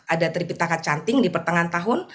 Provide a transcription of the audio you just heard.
ada tripitaka canting di pertengahan tahun